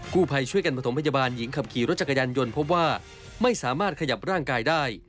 ผู้ภัยช่วยกันประถมพยาบาลหญิงขับขี่รถจักรยานยนต์พบว่าไม่สามารถขยับร่างกายได้